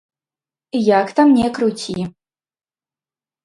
Як там не круці.